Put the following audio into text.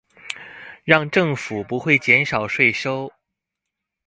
讓政府不會減少稅收